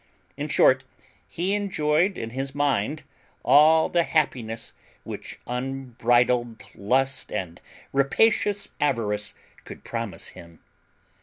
In short, be enjoyed in his mind all the happiness which unbridled lust and rapacious avarice, could promise him.